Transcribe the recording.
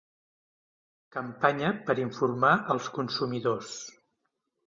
Campanya per informar els consumidors.